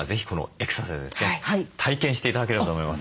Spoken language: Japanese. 体験して頂ければと思います。